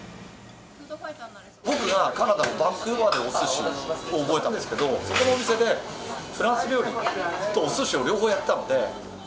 僕がカナダのバンクーバーでおすしを覚えたんですけど、そこのお店で、フランス料理とおすしを両方やってたので。